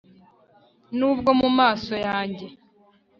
nubwo mu maso yanjye